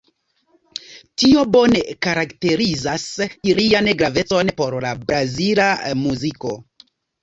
Tio bone karakterizas lian gravecon por la brazila muziko.